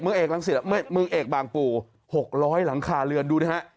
เมืองเอกบางปู่๖๐๐หลังคาเรือนดูนะฮะ